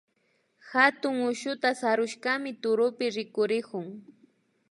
Hatun ushuta sarushkami turupi rikurikun